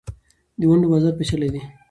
د ونډو بازار پېچلی دی.